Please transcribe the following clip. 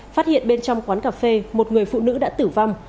phát hiện bên trong quán cà phê một người phụ nữ đã tử vong